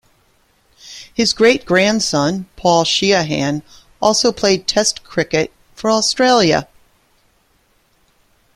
His great grandson, Paul Sheahan, also played Test cricket for Australia.